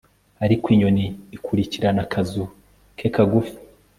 Ariko INYONI ikurikirana akazu ke kagufi